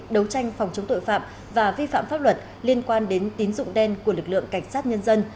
đấu tranh phòng chống tội phạm và vi phạm pháp luật liên quan đến tín dụng đen của lực lượng cảnh sát nhân dân